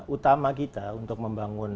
utama kita untuk membangun